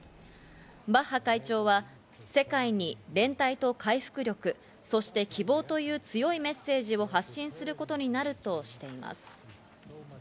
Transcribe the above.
バッハ会長は世界に連帯と回復力、そして希望という強いメッセージを発信することになるとしています。